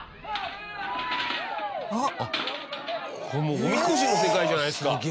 あっこれもうおみこしの世界じゃないですか。